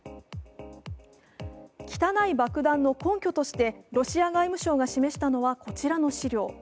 汚い爆弾の根拠としてロシア外務省が示したのはこちらの資料。